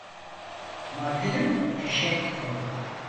Martinim fişenk dolu.